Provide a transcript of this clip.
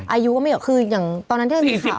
อายุก็ไม่เกี่ยวคืออย่างตอนนั้นที่มีข่าว